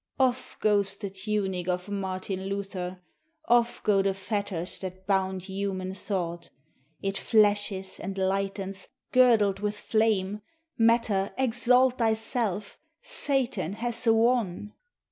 Off goes the tunic Of Martin Luther; Off go the fetters That bound human thought. It flashes and lightens, Girdled with flame; Matter, exalt thyself; Satan has won!